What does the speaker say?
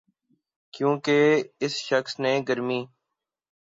کیونکہ اس شخص نے گرمی